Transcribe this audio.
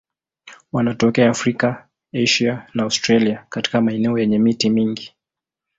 Wanatokea Afrika, Asia na Australia katika maeneo yenye miti mingi.